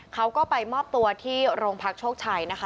เขาก็ไปมอบตัวที่โรงพักโชคชัยนะคะ